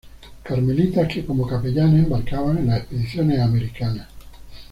Carmelitas que como Capellanes embarcaban en las expediciones americanas.